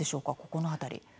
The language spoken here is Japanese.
ここの辺り。